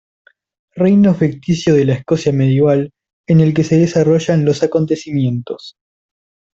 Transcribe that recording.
Reino ficticio de la Escocia medieval en el que se desarrollan los acontecimientos.